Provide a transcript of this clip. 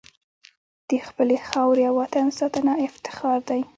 د خپلې خاورې او وطن ساتنه افتخار دی.